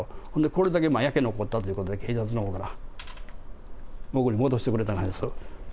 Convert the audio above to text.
これだけ焼け残ったということで、警察のほうから、僕に戻してくれたんです。